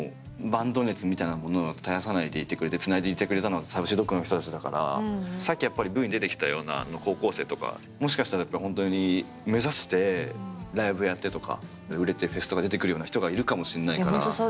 バンド熱みたいなものを絶やさないでいてくれてつないでいてくれたのはＳａｕｃｙＤｏｇの人たちだからさっきやっぱりＶに出てきたような高校生とかもしかしたらやっぱりほんとに目指してライブやってとか売れてフェスとか出てくるような人がいるかもしんないから。